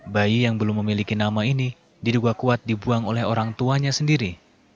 bayi yang belum memiliki nama ini diduga kuat dibuang oleh orang tuanya sendiri